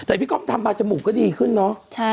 แต่พี่ก้อมทำมาจมูกก็ดีขึ้นเนอะ